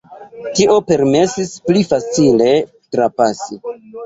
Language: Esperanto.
Tio permesis pli facile trapasi.